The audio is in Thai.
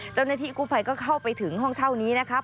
เจ้าหน้าที่กู้ภัยก็เข้าไปถึงห้องเช่านี้นะครับ